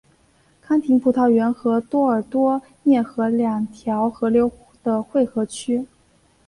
康廷葡萄园和多尔多涅河两条河流的汇合区。